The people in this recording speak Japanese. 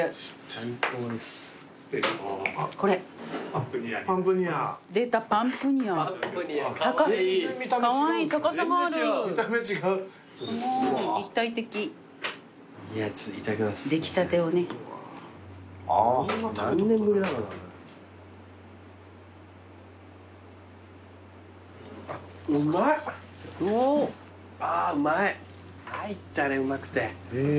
参ったねうまくて。